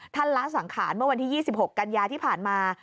ละสังขารเมื่อวันที่๒๖กันยาที่ผ่านมา